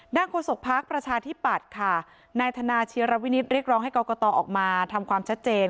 ด้านคนศักดิ์ภาคประชาธิบัตรค่ะนายธนาชีระวินิศเรียกร้องให้กรกฎอออกมาทำความชัดเจน